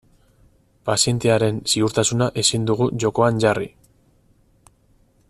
Pazientearen ziurtasuna ezin dugu jokoan jarri.